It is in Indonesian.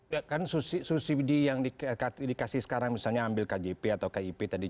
ya kan subsidi yang dikasih sekarang misalnya ambil kjp atau kip tadi